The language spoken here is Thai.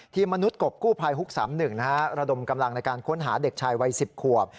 มนุษย์กบกู้ภัยฮุก๓๑ระดมกำลังในการค้นหาเด็กชายวัย๑๐ขวบ